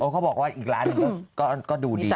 เขาบอกว่าอีกร้านก็ดูดีนะ